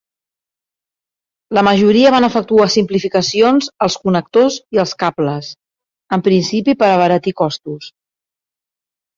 La majoria van efectuar simplificacions als connectors i els cables, en principi per abaratir costos.